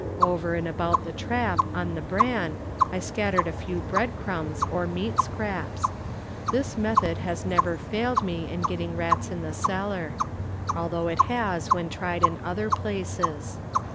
Over and about the trap on the bran I scattered a few bread crumlS or meat scraps. This method has never failed me in getting rats in the cellar ; although it has when tried in other places.